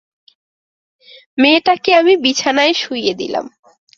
মেয়েটাকে আমি বিছানায় শুইয়ে দিলাম।